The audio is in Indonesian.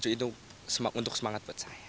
itu untuk semangat buat saya